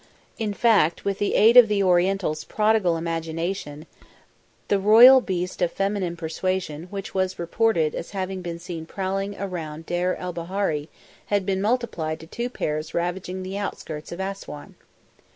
In fact, with the aid of the Oriental's prodigal imagination the one royal beast of feminine persuasion which was reported as having been seen prowling around Deir el Bahari had been multiplied to two pairs ravaging the outskirts of Assouan.